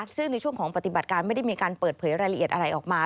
ซึ่งในช่วงของปฏิบัติการไม่ได้มีการเปิดเผยรายละเอียดอะไรออกมา